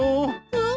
うん？